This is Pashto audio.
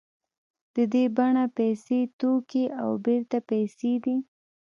د دې بڼه پیسې توکي او بېرته پیسې دي